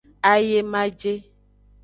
Ayemaje.